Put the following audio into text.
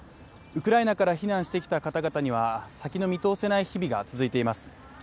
ウクライナから避難してきた方々には先が見通せない日々が続いています。